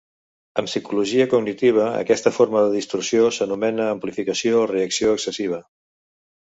En psicologia cognitiva, aquesta forma de distorsió s'anomena amplificació o reacció excessiva.